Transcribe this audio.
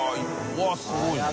うわっすごいね。